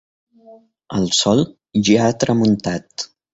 El sol ja ha tramuntat.